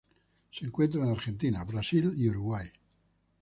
Se encuentra en Argentina, Brasil y Uruguay.